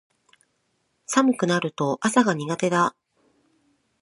寒くなると朝が苦手だ